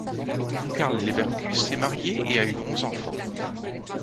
Carl Leverkus s'est marié et a eu onze enfants.